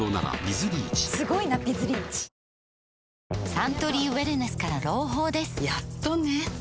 サントリーウエルネスから朗報ですやっとね